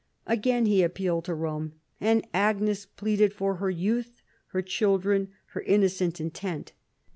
Again he appealed to Eome, and Agnes pleaded for her youth, her children, her innocent intent.